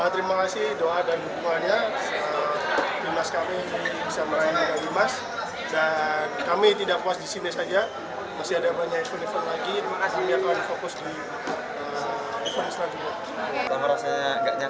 terima kasih doa dan dukungannya